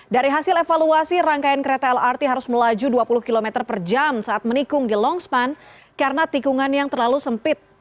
dari hasil evaluasi rangkaian kereta lrt harus melaju dua puluh km per jam saat menikung di longspan karena tikungan yang terlalu sempit